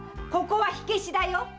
ここは火消しだよ！